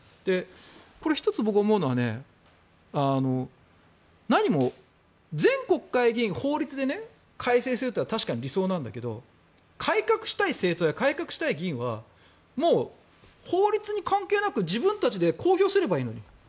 これは１つ僕が思うのは何も全国会議員、法律で改正するというのは確かに理想なんだけど改革したい政党や改革したい議員は法律に関係なく自分たちで公表すればいいのに。